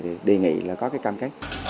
thì đề nghị là có cái cam kế